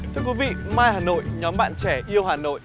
thưa quý vị mai hà nội nhóm bạn trẻ yêu hà nội